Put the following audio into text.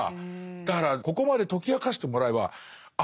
だからここまで解き明かしてもらえばあ